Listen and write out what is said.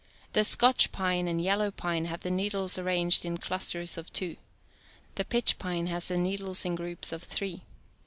The Scotch pine and yellow pine have the needles arranged in clus ters of two. The pitch pine has the needles in groups of three.